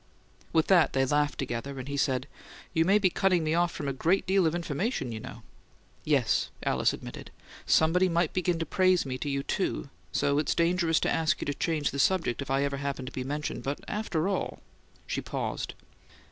With that they laughed together, and he said, "You may be cutting me off from a great deal of information, you know." "Yes," Alice admitted. "Somebody might begin to praise me to you, too; so it's dangerous to ask you to change the subject if I ever happen to be mentioned. But after all " She paused.